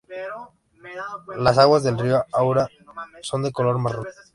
Las aguas del río Aura son de color marrón.